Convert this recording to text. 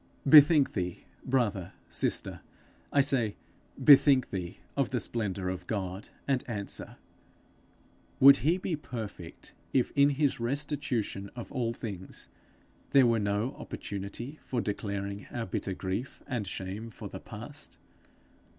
Bethink thee, brother, sister, I say; bethink thee of the splendour of God, and answer Would he be perfect if in his restitution of all things there were no opportunity for declaring our bitter grief and shame for the past?